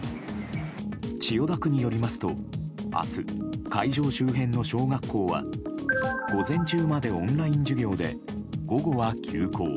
千代田区によりますと明日、会場周辺の小学校は午前中までオンライン授業で午後は休校。